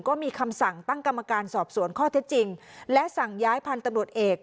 ก็มีคำสั่งตั้งกรรมการสอบสวนข้อเท็จจริงและสั่งย้ายพันธุ์ตำรวจเอก